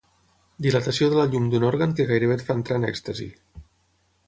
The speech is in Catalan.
Dilatació de la llum d'un òrgan que gairebé et fa entrar en èxtasi.